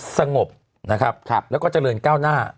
สงบนะครับแล้วก็เจริญก้าวหน้า